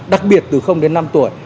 đặc biệt từ đến năm tuổi